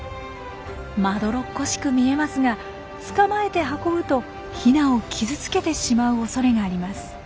まどろっこしく見えますが捕まえて運ぶとヒナを傷つけてしまうおそれがあります。